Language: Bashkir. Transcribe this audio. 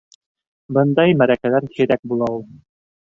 Бындай мәрәкәләр һирәк була ул.